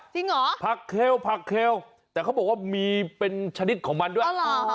จริงเหรอผักเคลผักเคลแต่เขาบอกว่ามีเป็นชนิดของมันด้วย